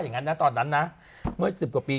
นี่